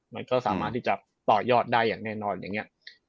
มันก็สามารถที่จะต่อยอดได้อย่างแน่นอนอย่างนี้